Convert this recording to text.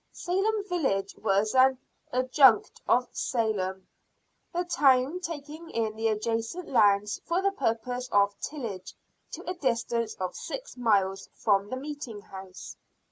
Salem village was an adjunct of Salem, the town taking in the adjacent lands for the purpose of tillage to a distance of six miles from the meeting house.